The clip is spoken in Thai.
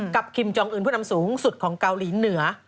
คิมจองอื่นผู้นำสูงสุดของเกาหลีเหนือ